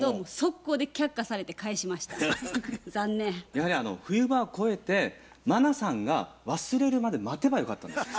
やはり冬場を越えて茉奈さんが忘れるまで待てばよかったんですよ。